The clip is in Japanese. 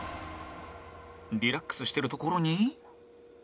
リラックスしてるところに